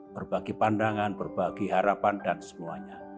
berbagi pandangan berbagi harapan dan semuanya